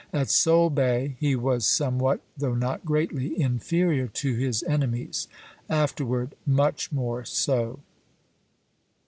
At Solebay he was somewhat, though not greatly, inferior to his enemies; afterward much more so.